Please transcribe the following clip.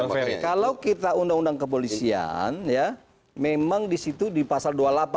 nah kalau kita undang undang kepolisian ya memang disitu di pasar dua puluh delapan